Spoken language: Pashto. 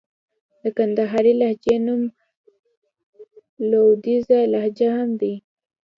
د کندهارۍ لهجې نوم لوېديځه لهجه هم دئ.